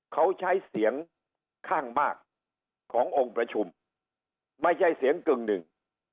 เขาใช้เสียงข้างมากขององค์ประชุมไม่ใช่เสียงกึ่งหนึ่ง